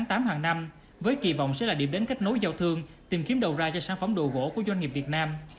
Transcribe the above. vào tháng tám hàng năm với kỳ vọng sẽ là điểm đến kết nối giao thương tìm kiếm đầu ra cho sản phẩm đồ gỗ của doanh nghiệp việt nam